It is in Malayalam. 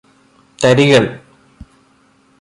തരികള്